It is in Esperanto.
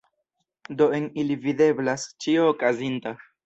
Do en ili videblas ĉio okazinta!